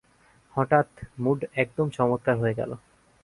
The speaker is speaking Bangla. হঠাৎ, মুড একদম চমৎকার হয়ে গেল।